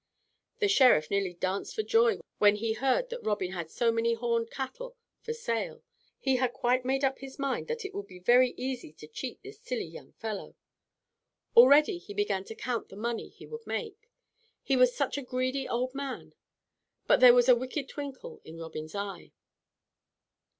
The Sheriff nearly danced for joy when he heard that Robin had so many horned cattle for sale. He had quite made up his mind that it would be very easy to cheat this silly young fellow. Already he began to count the money he would make. He was such a greedy old man. But there was a wicked twinkle in Robin's eye.